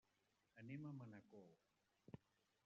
Anem a Manacor.